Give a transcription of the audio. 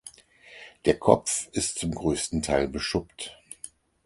Der Kopf ist zum größten Teil beschuppt.